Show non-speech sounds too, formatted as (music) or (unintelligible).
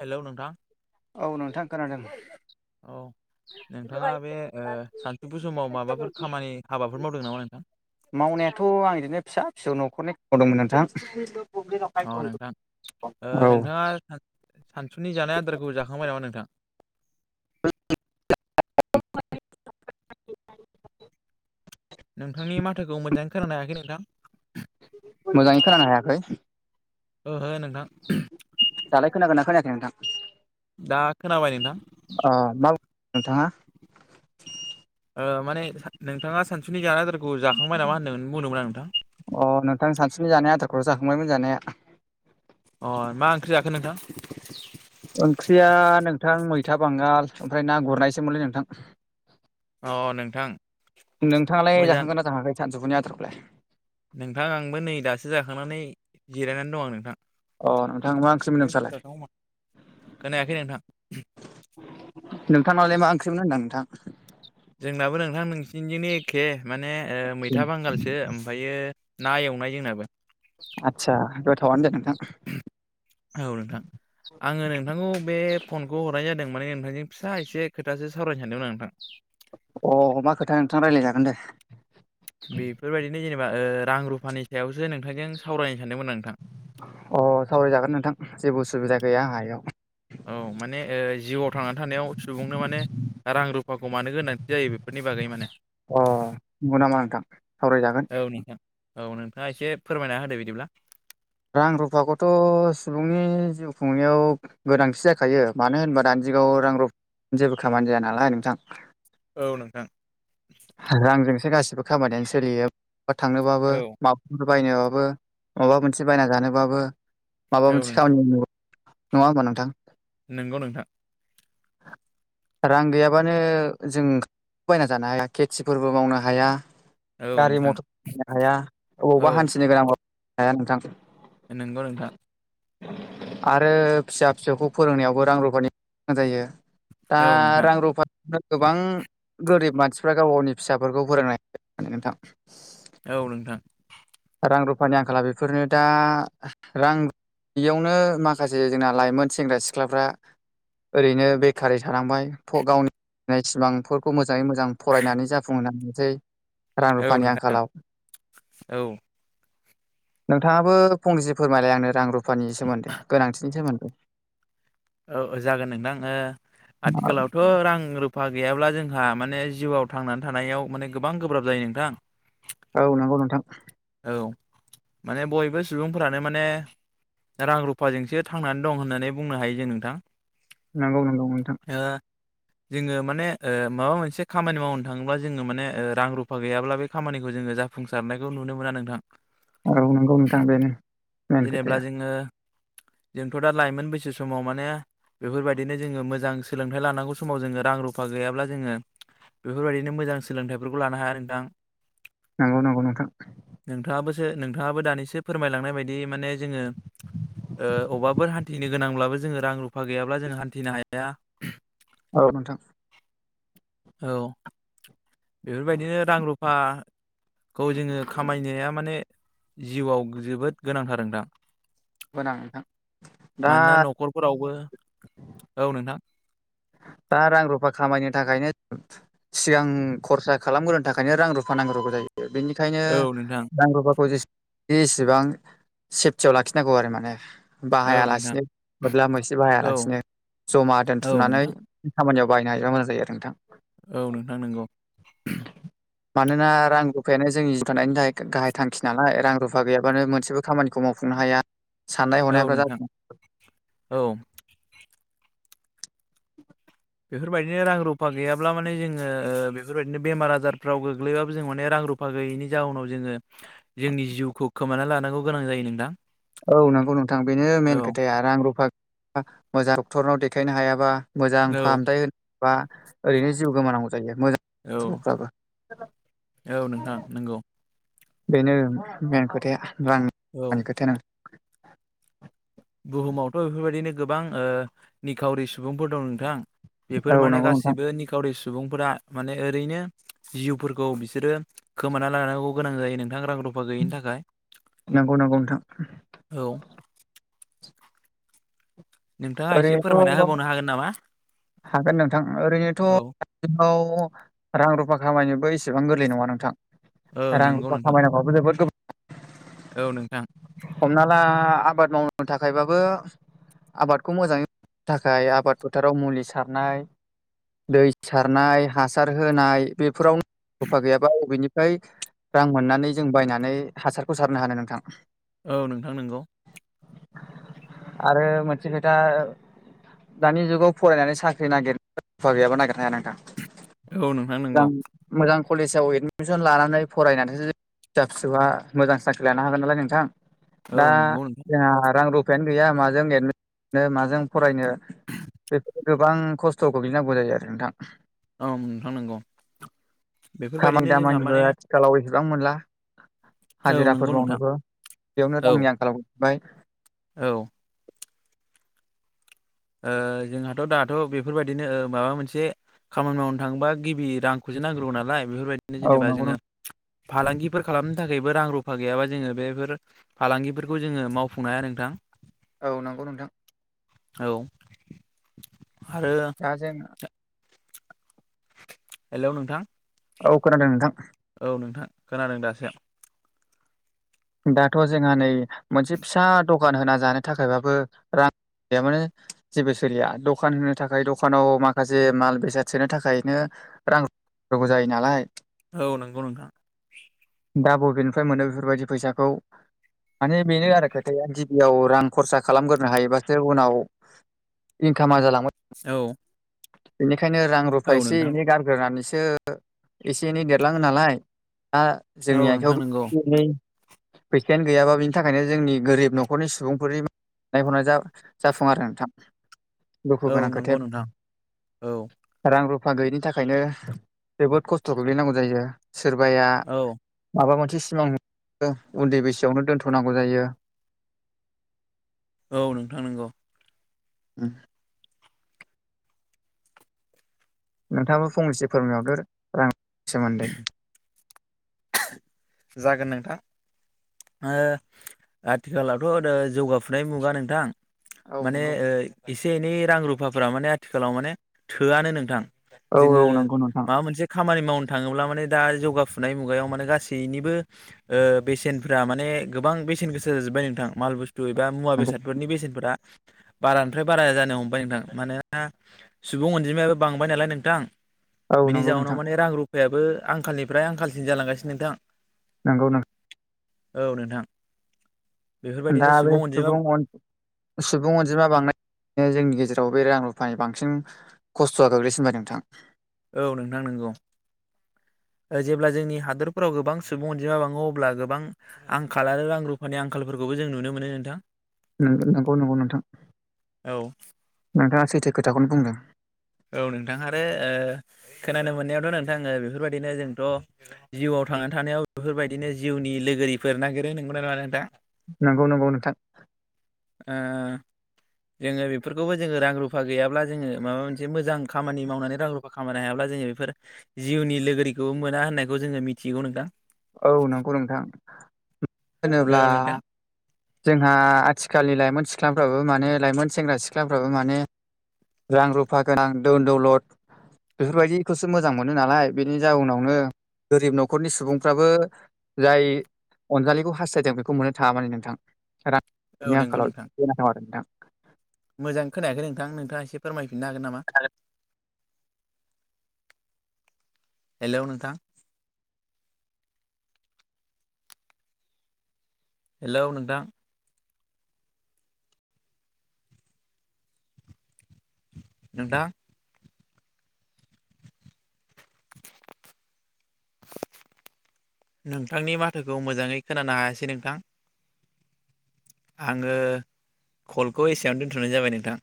Hello नोंथां। औ नोंथां खोनादों। औ। नोंथाङा बे ओ सानसौफु समाव माबाफोर खामानि हाबाफोर मावदों नामा नोंथां? मावनायाथ आं इदिनो फिसा फिसौ। न'खरनि मावदोंमोन नोंथां। अ नोंथां ओ औ नोंथाङा सान सानसुनि जानाय आदारखौ जाखांबाय नामा नोंथां? (unintelligible) नोंथांनि माथोखौ मोजाङै खोनानो हायाखै नोंथां मोजाङै खोनानो हायाखै। ओहो नोंथां। दालाय खोनागोन ना खोनोयाखै नोंथां? दा खोनाबाय नोंथां। अ मा नोंथाङा। ओ माने सान नोंथाङा सानसु सुनि जानाय आदारखौ जाखांबाय नामा होनदोमोन बुंदोंमोन आं नोंथां। सानसुनि जानाय अ जाखांबायमोन जानाया‌। अ मा ओंख्रि जाखो नोंथां? ओंख्रिया नोंथां मैथा बांगाल ओमफ्राय ना गुरनाय सोमोनलै नोंथां। अ नोंथां नोंथाङालाय मोजां जाखांगोन ना जाखांयाखै सानजुफुनि आदार खौलाय? नोंथां आंबो नै दासो जाखांनानै जिरायनानै दं आं नोंथां। अ नोंथां मा ओंख्रिमोन नोंस्रालाय (unintelligible) खोनायाखै नोंथां। नोंथांनावलाय मा ओंख्रिमोन होनदां नोंथां? जोंनाबो नोंथां नोंसिनिजोंनो एखे माने ओ मैथा बांगालसो ओमफायो ना एवनाय जोंनाबो। आतसा। (unintelligible) औ नोंथां आङो नोंथांखौ बे फनखौ हरनाय जादों माने नोंथांजों फिसा एसे खोथासो सावरायनो सानदोंमोन आं नोंथां। अ मा खोथा नोंथां रायलायजागोन दे। बेफोरबायदिनो जेनेबा ओ रां रुफानि सायावसो नोंथांजों सावराय‌ अ सावरायजागोन नोंथां जेबो उसुबिदा गैया आंहा एयाव औ माने ओ जिउआव थांनानै थानायाव सुबुंनो माने रां रुफाखौ मानो गोनांथि जायो बेफोरनि नि बागै माने। अ नोंगौ नामा नोंथां सावरायजागोन। औ नोंथां औ नोंथाङा एसे फोरमायना होदो बिदिब्ला। रां रुफाखौथ' सुबुंनि जिउ खुंनायाव गोनांथि जाखायो मानो होनबा दानि जुगाव रां रु (unintelligible) जेबो खामानि जाया नालाय नोंथां। औ नोंथां रांजोंसो गासिबो खामानियानो सोलियो बहा थांनोबाबो औ माब फोर बायनोबाबो माबा मोनसे बायना जानोबाबो माबा औ मोनसे नोंथां खामानि (unintelligible) नङा होमबा नोंथां? नोंगौ नोंथां। रां गैयाबानो जों (unintelligible) बायना जानो हाया। खेथिफोरबो मावनो हाया औ गारि नोंथां मथर बायनो हाया अबावबा हान्थिनो गोनांबा हाया नोंथां। ओ नोंगौ नोंथां। आरो फिसा फिसौखौ फोरोंनायावबो रां रुफानि (unintelligible) जायो। दा औ नोंथां रां रुफा (unintelligible) गोरिब मानसि फ्रा गाव गावनि फिसाफोरखौ फोरोंनाय (unintelligible) नोंथां। औ नोंथां। रां रुफानि आंखाला बेफोरनो दा रां बेयावनो माखासे जोंना लाइमोन सेंग्रा सिख्लाफ्रा ओरैनो बेखारै थानांबाय फ गावनि नि सिमांफोरखौ मोजाङै मोजां फरायनानै जाफुंहोनो हायासै रां औ रुफानि नोंथां आंखालाव। औ नोंथाङाबो फंनैसो फोरमायलाय आंनो रां रुफानि सोमोन्दै गोनांथिनि सोमोन औ औ जागोन नोंदां आथिखालावथ' रां रुफा गैयाब्ला जों जोंहा माने जिउआव थांनानै थानायाव माने गोबां गोब्राब जायो नोंथां। औ नंगौ नोंथां। औ माने बयबो सुबुंफोरानो माने रां रुफाजोंसो थांनानै दं होननानै बुंनो हायो जों नोंथां। नंगौ नंगौ नोंथां। ओ जोङो माने माबा मोनसे खामानि मावनो थाङोब्ला जोङो माने रां रुफा गैयाब्ला बे खामानिखौ जोङो जा जाफुंसारनायखौ नुनो मोनो। औ नगौ नोंथां बेनो मेन जेनेब्ला खोथाया। जोङो जोंथ' दा लाइमोन बैसो समाव माने बेफोरबायदिनो जोङो मोजां सोलोंथाइ लानांगौ समाव जोङो रां रुफा गैयाब्ला जोङो बेफोरबायदिनो मोजां सोलोंथाइफोरखौ लानो हाया नोंथां। नंगौ नगौ नोंथां। नोंथाङाबोसो नोंथाङाबो दानिसो फोरमायलांनाय बायदि माने जोङो अबेबाफोर हान्थिनो गोनांब्लाबो जोङो रां रुफा गैयाब्ला जोङ हान्थिनो हाया। औ नोंथां। औ बेफोरबायदिनो रां रुफा खौ जोङो खामायनाया माने जिउआव जोबोद गोनांथार नोंथां। गोनां नोंथां दा मानोना न'खरफोरावबो औ नोंथां। (inaudible) दा रां रुफा खामायनो थाखायनो सिगां खरसा खालामग्रोनो थाखायनो रां रुफा नांग्रांगौ जायो। बेनिखायनो औ नोंथां नांगौबा (unintelligible) बे एसेबां सेफटियाव लाखिनांगौ आरो माने औ नोंथां बाहायालासिनो मोदला मोसि औ बाहायालासिनो जमा औ दोनथुमनानै नोंथां खामानियाव बायहायनो हायोबा मजां जायो आरो नोंथां। औ नोंथां नंगौ। मानोना रां रुफायानो जोंनि जिउ थानायानायनि थाखाय गाहाय थांखि नालाय रां रुफा गैयाबानो मोनसेबो खामानिखौ माव खुंनो हाया साननाय औ हनायफ्रा नोंथां औ बेफोरबायदिनो रां रुफा गैयाब्ला माने जोङो बेफोरबायदिनो बेमार आजारफ्राव गोग्लैबाबो जों मान रां। रुफा गैयैनि जाउनाव जोङो जोंनि जिउखौ खोमाना लानांगौ गोनां जायो नोंदां औ नंगौ नोंथां बेनो मेन खोथाया रां रुफा मोजां डक्टरनाव देखायनो हायाबा मोजां औ फाहामथाय होनोबा ओरैनो जिउ गोमा नांगौ। जायो मोजां औ सुबुंफ्राबो औ नोंथां (unintelligible) नंगौ बेनो मेन खोथाया रां नि औ खोथायानो। बुहुमावथ' बेफोरबायदिनो ओ गोबां निखावरि सुबुंफोर दं नोंथां नोंथां बेफोर औ माने नंगौ नोंथां गासिबो निखावरि सु सुबुंफोरा माने ओरैनो जिउफोरखौ बिसोरो खोमाना लानांगौ गोनां जायो नों गोमांस रां रुफा गैयिनि थाखाय नंगौ नंगौ नोंथां औ नोंथाङा एसे फोरमायना ओरैनोथ' होबावनो हागोन नामा? हागोन नोंथां औ ओरैनोथ' (unintelligible) रां रुफा खामायनोबो इसेबां गोरलै नङा नोंथां। ओं रां नंगौ रुफा नोंथां खामायनांगौआबो जोबोर गोब्राब औ नोंथां हमना ला आ बाद मावनो थाखायबाबो आबाद खौ मोजाङै मावनो थाखाय आबाद फोथाराव मुलि सारनाय दै सारनाय हासार होनाय बेफोरावनो रूफा गैयाबा अबेनिफ्राय रां मोननानै जों बायनानै हासारखौ सारनो हानो नोंथां? औ नोंथां नंगौ। आरो मो नसे खोथा दानि जुगाव फरायनानै साख्रि नागिर (unintelligible) नागिरनो हाया ना औ नोंथां (unintelligible) नंगौ मोजां कलेजाव एडमिसन लानानै फरायनानैसो फिसा फिसौआ मोजां साख्रि लानो हागोन नालाय नोंथां। औ दा नंगौ नोंथां जोंहा रां रुफायानो गैया माजों एडमि (inaudible) माजों फरायनो बेफोर गोबां खस्थ'खौ बिनांगौ जायो आरो नोंथां। औ नोंथां नंगौ खामानि बेफोरबायदिनो जोंहा दामानिबो माने आथिखालाव सिबां मोनला औ हाजिराफोर नंगौ नोंथां मावनोबो बेयावनो औ रांनि आंखाला (inaudible) बाय। औ। ओ जोंहाथ' दाथ' बेफोरबायदिनो ओ माबा मोनसे खामानि मावनो थाङोबा गिबि रांखौसो नांग्रोगौ नालाय बेफोरबायदिनो औ जेनेबा नंगौ नों जोङो फालांगिफोर खालामनो थाखायबो रां रुफा गैयाबा जोङो बेफोर फालांगिफोरखौ जोङो मावफुंनो हाया नोंथां। औ नंगौ नोंथां। औ। आरो दा जों हेलौ नोंथां औ खोनादों नोंथां। औ नोंथां खोनादों दासो। दाथ' जोंहा नै मोनसे फिसा दखान होना जानो थाखायबाबो रां गैया माने जेबो सोलिया दखान होनो थाखाय दखानाव माखासे माल बेसाद सोनो थाखायनो रां होनां (inaudible) जायो नालाय औ नंगौ नोंथां। दा बबेनिफ्राय मोनो बेफोरबायदि फैसाखौ माने बेनो आरो खोथाया गिबियाव रां खरसा खालामग्रोनो हायोबासो उनाव इनकामा जालांबाय औ। बेनिखायनो रां औ रुफा एसे नोंथां एनै गारग्रोनानैसो एसे एनै देरलाङो नालाय दा औ जोंनि नोंथां नंगौ आखाइयावबो (inaudible) एनै फैसायानो गैयाबा बिनि थाखायनो जोंनि गोरिब न'खरनि सुबुंफोरनि नायहरनाय जा-जाफुं आरो नोंथां। दुखु औ गोनां नंगौ खोथाया नोंथां औ (inaudible) रां रुफ फा गैयिनि थाखायनो जोबोद खस्थ' गोग्लैनांगौ जायो सोरबाया औ माबा मोनसे सिमां (inaudible) उन्दै बैसोआवनो दोनथ'नांगौ जायो। औ नोंथां नंगौ। होम। नोंथाङाबा फंनैसो फोरमायहरदो रां (inaudible) सोमोन्दै। जागोन नोंथां। ओ आथिखालावथ' जौगाफुनाय मुगा नोंथां। औ माने नंगौ ओ एसे एनै रां रुफाफोरा माने आथिखालाव माने थोआनो नोंथां। औ जोङो नंगौ नोंथां माबा मोनसे खामानि मावनो थाङोब्ला माने दा जौगाफुनाय मुगायाव गासैनिबो ओ बेसेन फ्रा माने गोबां बेसेन गोसा जाजोब्बाय नोंथां माल बुस्थु एबा मुवा नंगौ बेसादफोरनि बेसेनफोरा बारानिफ्राय बारा जानो हमबाय नोंथां मानोना सुबुं अनजिमायाबो बांबाय नालाय नोंथां औ बिनि नंगौ जउनाव नोंथां माने रां रुफायाबो आंखालनिफ्राय आंखालसिम जालांगासिनो नोंथां नंगौ नों औ नोंथां दा बेफोरबायदिनो बे अनजिमा सुबुं सुबुं अनजिमा बां जोंनि गेजेराव बे रां फानि बांसिन खस्थ'आ गोग्लैसिनबाय नोंथां औ नोंथां नंगौ जेब्ला जोंनि हादरफोराव गोबां सुबुं अनजिमा बाङो अब्ला गोबां आंखाल आरो रां रुफानि आंखालफोरखौ बो जों नुनो मोनो नोंथां नंगौ नंगौ नोंथां औ नोंथाङा सैथो खोथाखौनो बुंदों औ नोंथां आरो खोनानो मोननायावथ' नोंथां बेफोरबायदिनो जोंथ' जिउआव थांना थानायाव बेफोरबायदिनो जिउनि लोगोरिफोर नागिरो नोंगौना नंङा नोंथां। नंगौ नंगौ नोंथां। ओ जोङो बेफोरखौबो जोङो रां रुफा गैयाब्ला जोङो माबा मोनसे मोजां खामानि मावनानै रां रुफा खामनो हायाब्ला जोङो बेफोर जिउनि लोगोरिखौबो मोना होननायखौ जोङो मिथि थिगौ नोंथां। औ नंगौ नोंथां। होनोब्ला औ नोंथां जोंहा आथिखालनि लाइमोन सिख्लाफ्राबो माने लाइमोन सेंग्रा सिख्लाफ्राबो माने रां रुफा गोनां दोन दौलद बेफोरबायदिखौसो मोजां मोनो नालाय बेनि जाउनावनो गोरिब न'खरनि सुबुंफ्राबो जाय अनजालिखौ हास्थायदों बेखौ मोननो थाङा माने नोंथां। औ रांनि नोंगौ आंखालाव नोंथां आरो नोंथां। मोजां खोनायाखै नोंथां नोंथाङा एसे फोरमायफिननो हागोन नामा। हेल' नोंथां हेल' नोंथां नोंथां (unintelligible) नोंथांनि माथोखौ मोजाङै खोनानो हायासै नोंथां। आङो कलखौ एसेयावनो दोन्थ'नाय जाबाय नोंथां।